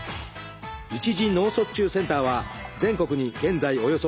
一次脳卒中センターは全国に現在およそ１，０００か所。